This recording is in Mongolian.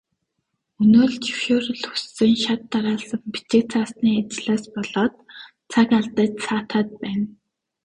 Өнөө л зөвшөөрөл хүссэн шат дараалсан бичиг цаасны ажлаас болоод цаг алдаж саатаад байна.